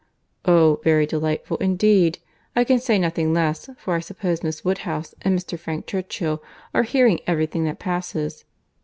"Oh! very delightful indeed; I can say nothing less, for I suppose Miss Woodhouse and Mr. Frank Churchill are hearing every thing that passes.